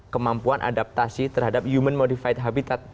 kemampuan adaptasi terhadap human modified habitat